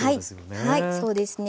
はいそうですね。